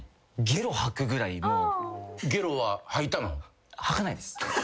ゲロは吐いたの？